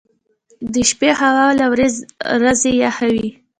• د شپې هوا له ورځې یخه وي.